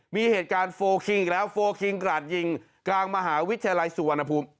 มีเหตุการณ์โฟลคิงอีกแล้วโฟลคิงกราดยิงกลางมหาวิทยาลัยสุวรรณภูมิ